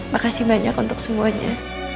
makasih banyak untuk semuanya